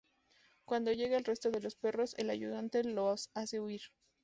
Cuando llega el resto de los perros, el Ayudante los hace huir.